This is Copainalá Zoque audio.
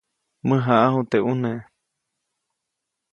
Mäjaʼaju teʼ ʼune.